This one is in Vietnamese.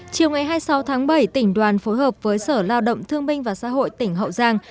chiều ngày hai mươi sáu tháng bảy tỉnh đoàn phối hợp với sở lao động thương minh và xã hội tỉnh hậu giang